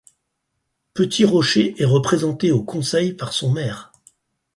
Petit-Rocher est représenté au conseil par son maire.